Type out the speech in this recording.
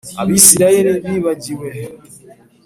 abisirayeli bibagiwe